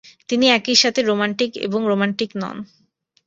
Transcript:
তিনি একই সাথে রোমান্টিক এবং রোমান্টিক নন"।